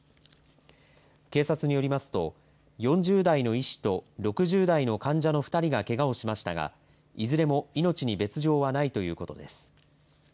警察によりますと４０代の医師と６０代の患者の２人がけがをしましたがいずれも命に別状はないということです。